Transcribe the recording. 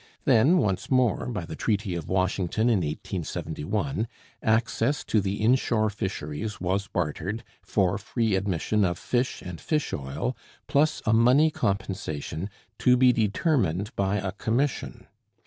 Then once more, by the Treaty of Washington in 1871, access to the inshore fisheries was bartered for free admission of fish and fish oil plus a money compensation to be determined by a commission.